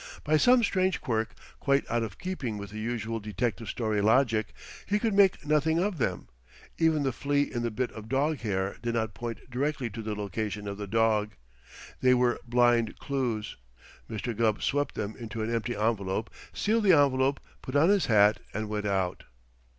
By some strange quirk, quite out of keeping with the usual detective story logic, he could make nothing of them. Even the flea in the bit of dog hair did not point direct to the location of the dog. They were blind clues. Mr. Gubb swept them into an empty envelope, sealed the envelope, put on his hat and went out.